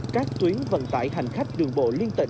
các tuyến vận tải hành khách đường bộ liên tỉnh